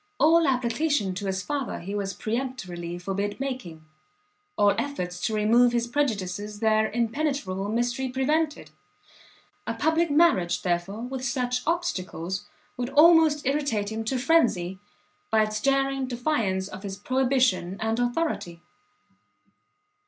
All application to his father he was peremptorily forbid making, all efforts to remove his prejudices their impenetrable mystery prevented; a public marriage, therefore, with such obstacles, would almost irritate him to phrenzy, by its daring defiance of his prohibition and authority.